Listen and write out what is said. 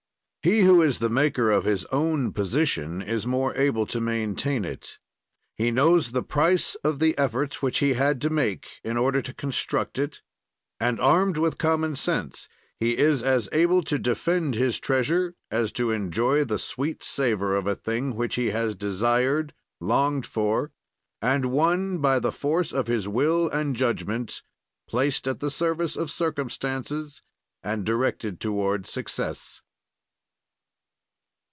He who is the maker of his own position is more able to maintain it; he knows the price of the efforts which he had to make in order to construct it, and, armed with common sense, he is as able to defend his treasure as to enjoy the sweet savor of a thing which he has desired, longed for, and won by the force of his will and judgment, placed at the service of circumstances and directed toward success.